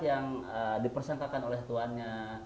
yang dipersangkakan oleh tuannya